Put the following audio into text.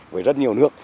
với rất nhiều nước